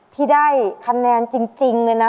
ที่ได้คะแนนจริงเลยนะ